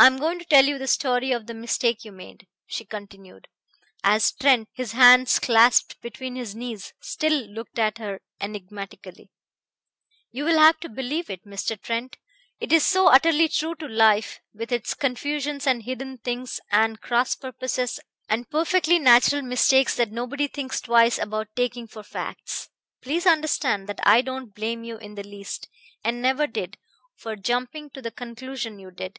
"I am going to tell you the story of the mistake you made," she continued, as Trent, his hands clasped between his knees, still looked at her enigmatically. "You will have to believe it, Mr. Trent; it is so utterly true to life, with its confusions and hidden things and cross purposes and perfectly natural mistakes that nobody thinks twice about taking for facts. Please understand that I don't blame you in the least, and never did, for jumping to the conclusion you did.